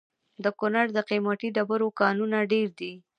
د کونړ د قیمتي ډبرو کانونه ډیر دي.